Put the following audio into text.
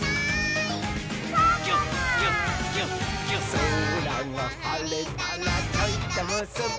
「そらがはれたらちょいとむすび」